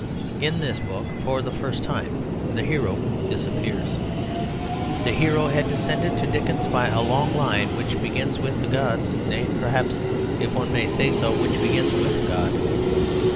In this book for the first time the hero disappears. The hero had descended to Dickens by a long line which begins with the gods, nay, perhaps if one may say so, which begins with God.